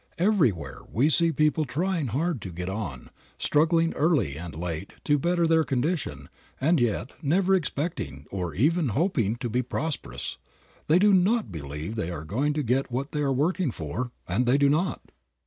Everywhere we see people trying hard to get on, struggling early and late to better their condition, and yet never expecting, or even hoping to be prosperous. They do not believe they are going to get what they are working for, and they do not.